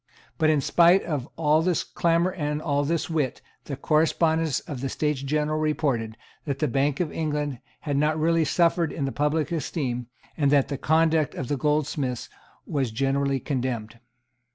But, in spite of all this clamour and all this wit, the correspondents of the States General reported, that the Bank of England had not really suffered in the public esteem, and that the conduct of the goldsmiths was generally condemned.